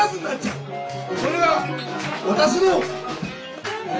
それが私のえ